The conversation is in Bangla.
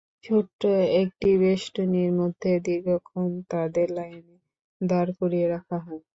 ছোট্ট একটি বেষ্টনীর মধ্যে দীর্ঘক্ষণ তাঁদের লাইনে দাঁড় করিয়ে রাখা হয়।